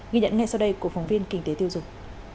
ghi nhận ngay sau đây của phóng viên kinh tế tiêu dùng